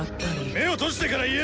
目を閉じてから言え！